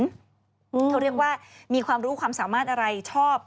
เขาเรียกว่ามีความรู้ความสามารถอะไรชอบ